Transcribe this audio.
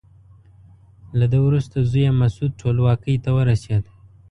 له ده وروسته زوی یې مسعود ټولواکۍ ته ورسېد.